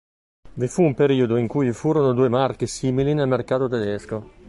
Vi fu un periodo in cui vi furono due marchi simili nel mercato tedesco.